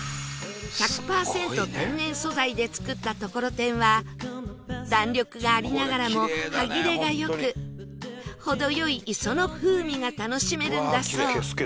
１００パーセント天然素材で作ったトコロテンは弾力がありながらも歯切れが良く程良い磯の風味が楽しめるんだそう